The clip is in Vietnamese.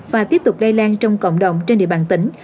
và tiếp tục lây lan trong cộng đồng trên địa bàn tỉnh